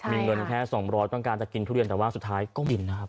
มีเงินแค่๒๐๐ต้องการจะกินทุเรียนแต่ว่าสุดท้ายก็บินนะครับ